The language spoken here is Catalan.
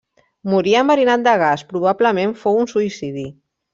Morí enverinat de gas, probablement fou un suïcidi.